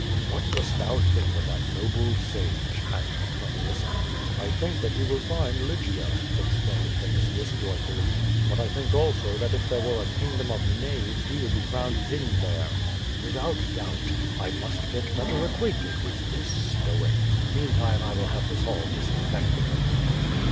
What dost thou think of that noble sage?" asked Petro nius. "I think that he will find Lygia," exclaimed Vinitius, joy fully. "But I think also that if there were a kingdom of knaves he would be crowned king there." "Without doubt. I must get better acquainted with this Stoic. Meantime I will have this hall disinfected."